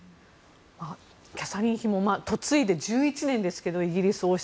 キャサリン妃も嫁いで１１年ですけどイギリス王室。